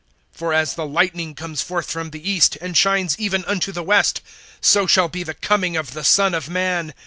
(27)For as the lightning comes forth from the east, and shines even unto the west, so shall be the coming of the Son of man.